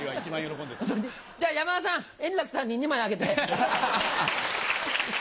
じゃあ、山田さん、円楽さんに２枚あげて。